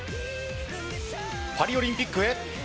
パリオリンピックへ。